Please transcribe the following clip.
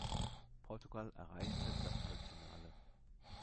Portugal erreichte das Halbfinale.